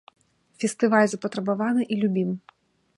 Фестываль запатрабаваны і любім.